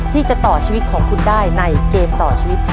ที่จะต่อชีวิตของคุณได้ในเกมต่อชีวิต